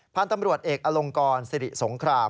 พันธุ์ตำรวจเอกอลงกรสิริสงคราม